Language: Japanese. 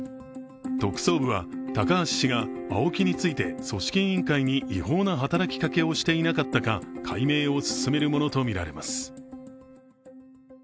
特捜部は高橋氏がＡＯＫＩについて組織委員会に違法な働きかけをしていなかったか、解明を進めるものとみられます。